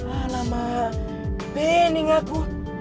alamak bening aku